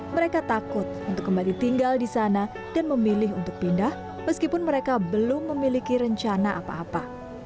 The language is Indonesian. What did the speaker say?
mereka takut untuk kembali tinggal di sana dan memilih untuk pindah meskipun mereka belum memiliki rencana apa apa